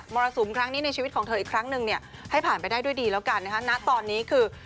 รสุมครั้งนี้ในชีวิตของเธออีกครั้งนึงเนี่ยให้ผ่านไปได้ด้วยดีแล้วกันนะฮะณตอนนี้คือ